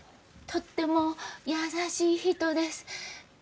とっても優しい人です。